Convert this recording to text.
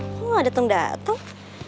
kok gak dateng dateng